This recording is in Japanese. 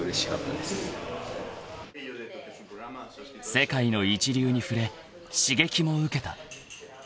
［世界の一流に触れ刺激も受けた］